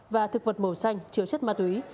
và thực vật màu xanh chứa chất ma túy